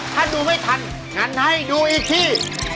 ถ้าดูไม่ทันงั้นให้ดูอีกที